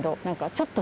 ちょっと